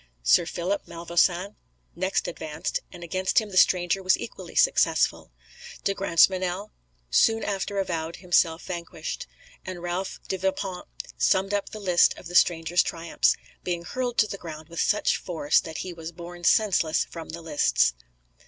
Sir Philip Malvoisin next advanced; and against him the stranger was equally successful. De Grantmesnil soon after avowed himself vanquished; and Ralph de Vipont summed up the list of the stranger's triumphs, being hurled to the ground with such force that he was borne senseless from the lists.